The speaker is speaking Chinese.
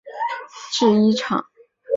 他的父亲拥有一家童装制衣厂。